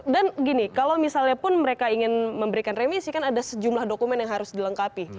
dan gini kalau misalnya pun mereka ingin memberikan remisi kan ada sejumlah dokumen yang harus dilengkapi